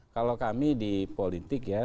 kalau kami di politik ya